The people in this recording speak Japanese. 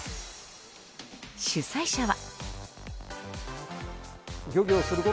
主催者は。